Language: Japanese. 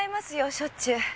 しょっちゅう。